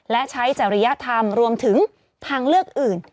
และใช้จริยธรรมรวมถึงทางเลือกอื่น